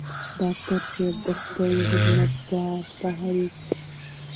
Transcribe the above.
ډاکټر صېب د خدائ خدمتګار تحريک